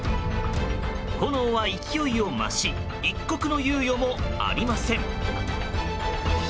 炎は勢いを増し一刻の猶予もありません。